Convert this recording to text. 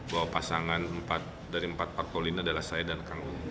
bahwa pasangan dari empat parpol ini adalah saya dan kang uu